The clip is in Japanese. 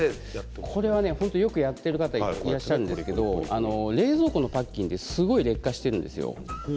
よくやっている方いらっしゃるんですが冷蔵庫のパッキンはすごい劣化しているんですよ。